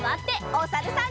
おさるさん。